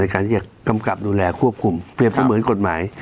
ในการที่จะดูแลควบคุมมีเครื่องมือกฎหมาย